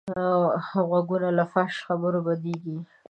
غوږونه له فحش خبرو بدېږي